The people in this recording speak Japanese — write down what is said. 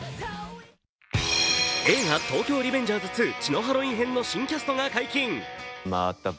映画「東京リベンジャーズ２血のハロウィン編」の新キャストが解禁。